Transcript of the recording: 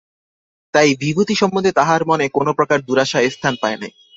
তাই বিভূতি সম্বন্ধে তাঁহার মনে কোনোপ্রকার দুরাশা স্থান পায় নাই।